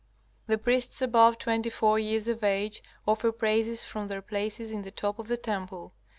The priests above twenty four years of age offer praises from their places in the top of the temple.